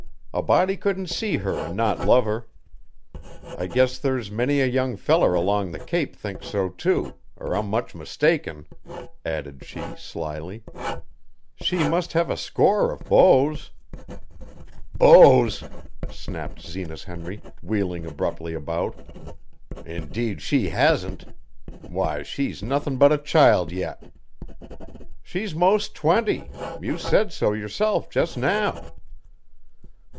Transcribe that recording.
A body couldn't see her an' not love her. I guess there's many a young feller along the Cape thinks so too, or I'm much mistaken," added she slyly. "She must have a score of beaux." "Beaux!" snapped Zenas Henry, wheeling abruptly about. "Indeed she hasn't. Why, she's nothin' but a child yet." "She's most twenty. You said so yourself just now."